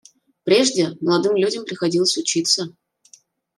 Прежде молодым людям приходилось учиться.